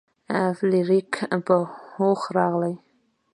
فلیریک په هوښ راغی.